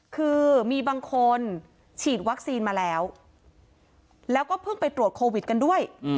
คือมีบางคนฉีดวัคซีนมาแล้วแล้วก็เพิ่งไปตรวจโควิดกันด้วย